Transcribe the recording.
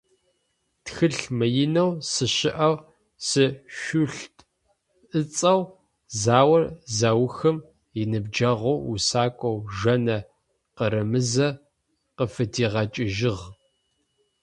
Тхылъ мыинэу «Сыщыӏэу сышъулъыт» ыцӏэу заор заухым иныбджэгъоу усакӏоу Жэнэ Къырымызэ къыфыдигъэкӏыжьыгъ.